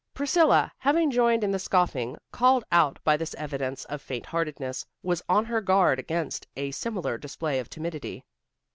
Priscilla, having joined in the scoffing called out by this evidence of faint heartedness, was on her guard against a similar display of timidity.